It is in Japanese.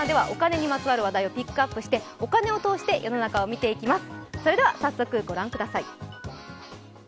このコーナーではお金にまつわる話題をピックアップしてお金を通して世の中を見ていきます。